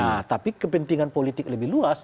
nah tapi kepentingan politik lebih luas